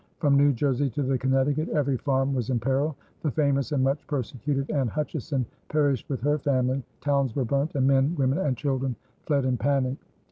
From New Jersey to the Connecticut every farm was in peril. The famous and much persecuted Anne Hutchinson perished with her family; towns were burned; and men, women, and children fled in panic.